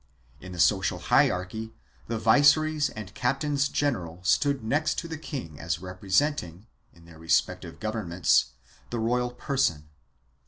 2 In the social hierarchy the viceroys and captains general stood next to the king as representing, in their respective governments, the royal person.